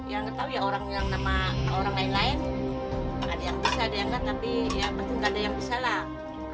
yang gak tau ya orang lain lain ada yang bisa ada yang gak tapi ya pasti gak ada yang bisa lah